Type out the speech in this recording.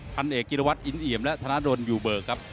ทันเอกกิรวัติอินเหยียมและธนาดลอยู่เบอร์ครับ